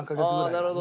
なるほど。